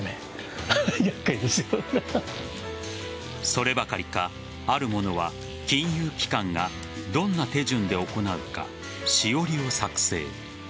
そればかりか、ある者は金融機関がどんな手順で行うかしおりを作成。